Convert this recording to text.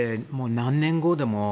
何年後でも。